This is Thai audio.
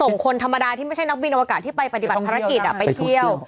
คนธรรมดาที่ไม่ใช่นักบินอวกาศที่ไปปฏิบัติภารกิจไปเที่ยว